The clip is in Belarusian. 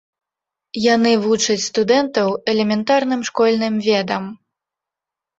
Яны вучаць студэнтаў элементарным школьным ведам.